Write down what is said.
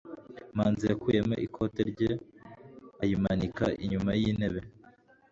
manzi yakuyemo ikoti rye ayimanika inyuma y'intebe